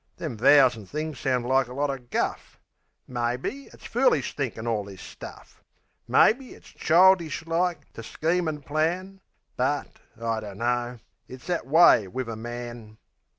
Them vows an' things sounds like a lot o' guff. Maybe, it's foolish thinkin' all this stuff Maybe, it's childish like to scheme an' plan; But I dunno it's that way wiv a man.